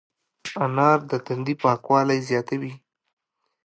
انار د تندي پاکوالی زیاتوي.